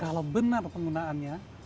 kalau benar penggunaannya